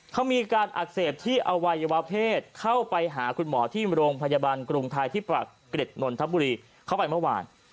เขามีการอักเสบที่อวัยวะเพศเข้าไปหาคุณหมอที่โรงพยาบาลกรุงไทยที่ปากเกร็ดนนทบุรีเข้าไปเมื่อวาน